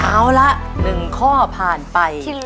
เอาละหนึ่งข้อผ่านไป